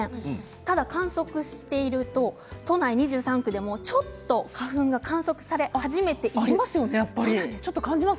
ただ観測していると都内２３区でも、ちょっと花粉がちょっと感じます。